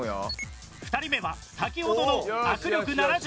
２人目は先ほどの握力７０